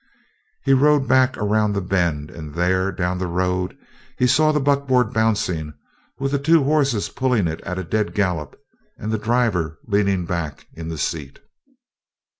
He rode back around the bend, and there, down the road, he saw the buckboard bouncing, with the two horses pulling it at a dead gallop and the driver leaning back in the seat.